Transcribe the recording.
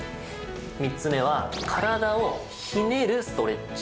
３つ目は体をひねるストレッチ。